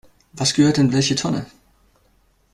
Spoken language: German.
Was gehört in welche Tonne?